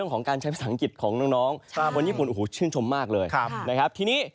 เป็นการดำน้ำนานงี้ก็หลายคนดูแลเลยนะครับ